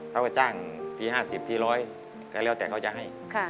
เขาไปจ้างที๕๐ที๑๐๐ก็แล้วแต่เขาจะให้